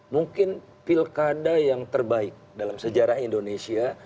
mungkin pilkada yang terbaik dalam sejarah indonesia